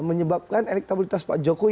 menyebabkan elektabilitas pak jokowi